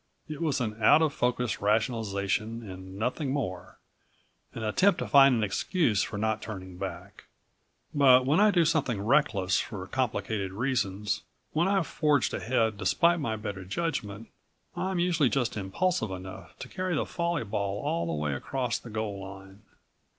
It was an out of focus rationalization and nothing more an attempt to find an excuse for not turning back. But when I do something reckless for complicated reasons, when I've forged ahead despite my better judgment, I'm usually just impulsive enough to carry the folly ball all the way across the goal line.